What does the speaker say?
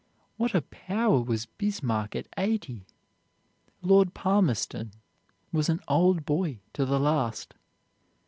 What a power was Bismarck at eighty! Lord Palmerston was an "Old Boy" to the last.